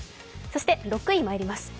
そして６位にまいります。